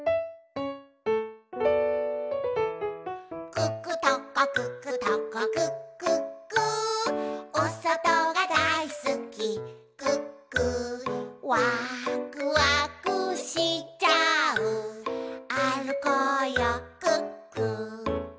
「クックトコクックトコクックックー」「おそとがだいすきクックー」「わくわくしちゃうあるこうよクックー」